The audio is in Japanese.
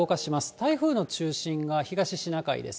台風の中心が東シナ海です。